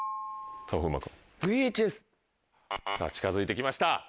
近づいて来ました。